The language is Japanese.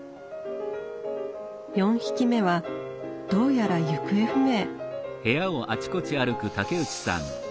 ４匹目はどうやら行方不明。